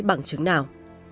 bằng chứng nào